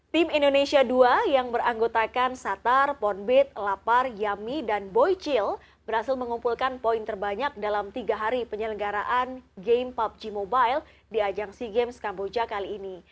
tim indonesia ii yang beranggotakan satar pondbit lapar yami dan boychil berhasil mengumpulkan poin terbanyak dalam tiga hari penyelenggaraan game pubg mobile di ajang sea games kamboja kali ini